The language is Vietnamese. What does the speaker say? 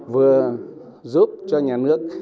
vừa giúp cho nhà nước